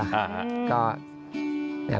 เล่นอยู่แล้ว